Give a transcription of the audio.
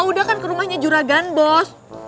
udah kan ke rumahnya juragan bos